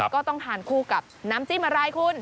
ก็ต้องทานคู่กับน้ำจิ้มอะไรคุณ